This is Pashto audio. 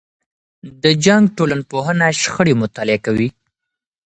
د جنګ ټولنپوهنه شخړې مطالعه کوي.